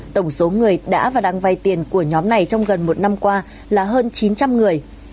tổng số người đã và đang vay tiền của nhóm này trong gần một năm qua là hơn chín trăm linh người